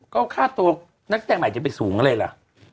ก็ค่าตัวนักแสดงใหม่จะไปสูงอะไรล่ะ